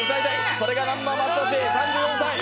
それが南波雅俊、３４歳。